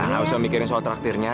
gak usah mikirin soal traktirnya